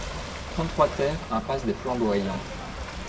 trente-trois TER impasse des Flamboyants